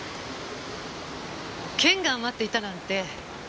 券が余っていたなんて